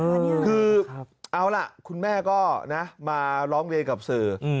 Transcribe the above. คือเอาล่ะคุณแม่ก็นะมาร้องเรียนกับสื่อ